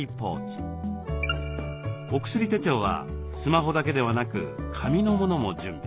おくすり手帳はスマホだけではなく紙のものも準備。